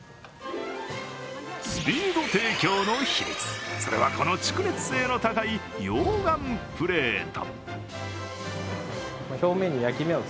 スピード提供の秘密、それは、この蓄熱性の高い溶岩プレート。